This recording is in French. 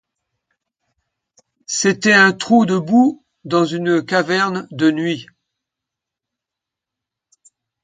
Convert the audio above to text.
C’était un trou de boue dans une caverne de nuit.